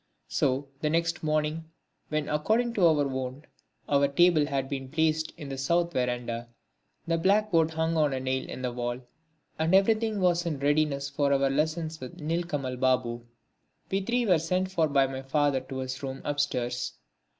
So the next morning, when according to our wont our table had been placed in the south verandah, the blackboard hung up on a nail in the wall, and everything was in readiness for our lessons with Nilkamal Babu, we three were sent for by my father to his room upstairs.